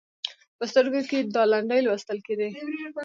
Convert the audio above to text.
په سترګو کې یې دا لنډۍ لوستل کېدې: